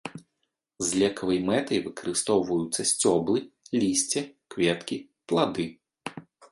З лекавай мэтай выкарыстоўваюцца сцёблы, лісце, кветкі, плады.